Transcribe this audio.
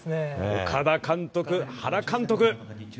岡田監督、原監督。